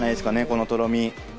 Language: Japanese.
このとろみ。